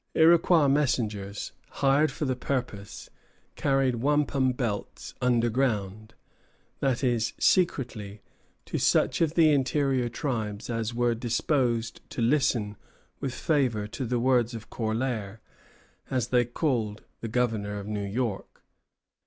Iroquois messengers, hired for the purpose, carried wampum belts "underground" that is, secretly to such of the interior tribes as were disposed to listen with favor to the words of Corlaer, as they called the governor of New York.